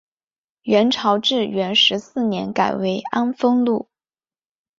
元朝至元十四年改为安丰路。